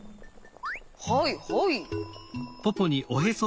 はいはい。